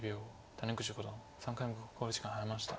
谷口五段３回目の考慮時間に入りました。